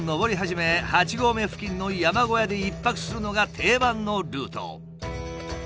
八合目付近の山小屋で１泊するのが定番のルート。